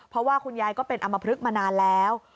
เพราะว่าคุณยายก็เป็นอำมพลึกมานานแล้ว